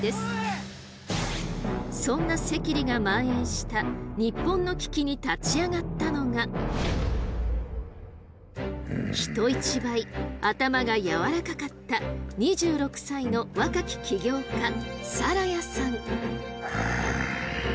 そんな赤痢がまん延した日本の危機に立ち上がったのが人一倍頭が柔らかかった２６歳の若き起業家更家さん。